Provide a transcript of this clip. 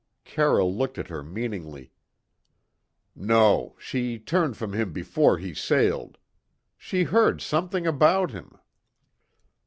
Carroll looked at her meaningly. "No; she turned from him before he sailed. She heard something about him."